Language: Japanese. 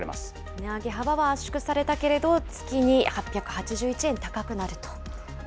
値上げ幅は圧縮されたけれども、月に８８１円高くなると。